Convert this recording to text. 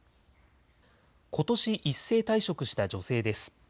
ことし一斉退職した女性です。